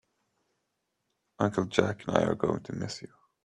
Uncle Jack and I are going to miss you.